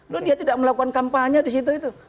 loh dia tidak melakukan kampanye di situ itu